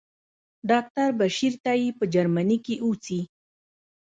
ډاکټر بشیر تائي په جرمني کې اوسي.